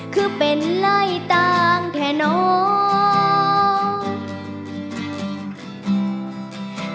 คือเป็นไรต่างแท่นอก